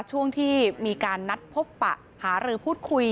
ช่วงที่มีการนัดพบปะหารือพูดคุย